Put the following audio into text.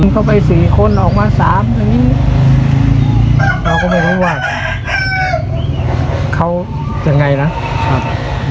เข้าไปสี่คนออกมาสามอย่างงี้เราก็ไม่รู้ว่าเขายังไงนะครับ